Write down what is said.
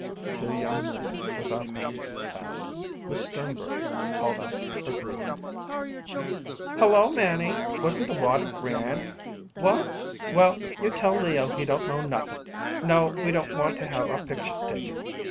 Two young men without hats passed. Miss Sternberger called out her greeting. "Hello, Manny! Wasn't the water grand? What? Well, you tell Leo he don't know nothin'. No, we don't want to have our pictures taken!